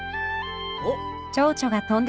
おっ！